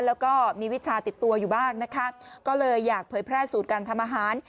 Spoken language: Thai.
แล้วก็มีวิชาติดตัวอยู่บ้างนะคะก็เลยอยากเผยแพร่สูตรการทำอาหาร